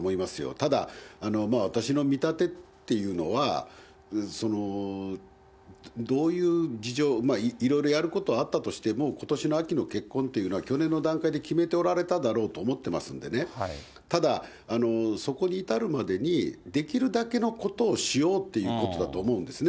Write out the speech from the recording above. ただ、私の見立てっていうのは、どういう事情、いろいろやることはあったとしても、ことしの秋の結婚というのは、去年の段階で決めておられただろうと思ってますんでね、ただ、そこに至るまでに、できるだけのことをしようっていうことだと思うんですね。